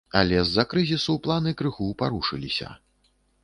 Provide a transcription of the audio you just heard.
Але з-за крызісу планы крыху парушыліся.